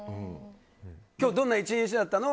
今日、どんな一日だったの？